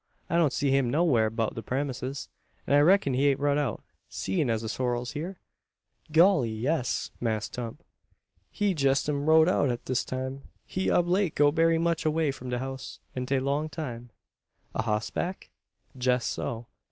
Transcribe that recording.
I don't see him nowhar' beout the premises; an I reck'n he ain't rud out, seein' as the sorrel's hyur?" "Golly, yes, Mass Tump; he jess am rode out at dis time. He ob late go berry much away from de house an tay long time." "A hossback?" "Jess so.